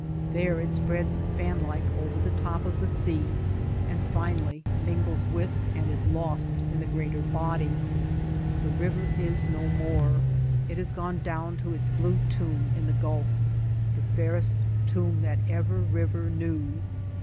There it spreads fan like over the top of the sea, and finally mingles with and is lost in the greater body. The river is no more. It has gone down to its blue tomb in the Gulf — the fairest tomb that ever river knew.